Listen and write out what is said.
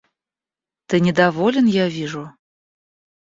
Ты недоволен, я вижу.